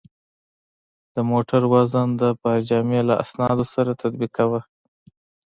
د موټر وزن د بارجامې له اسنادو سره تطبیقاوه.